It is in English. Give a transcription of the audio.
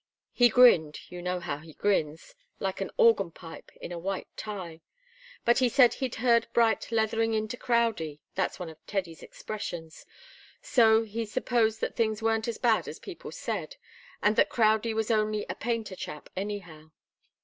He grinned you know how he grins like an organ pipe in a white tie. But he said he'd heard Bright leathering into Crowdie that's one of Teddy's expressions so he supposed that things weren't as bad as people said and that Crowdie was only a 'painter chap,' anyhow.